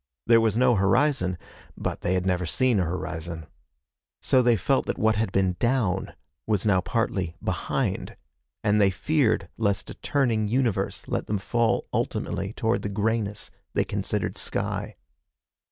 There was no horizon, but they had never seen a horizon. So they felt that what had been down was now partly behind, and they feared lest a turning universe let them fall ultimately toward the grayness they considered sky.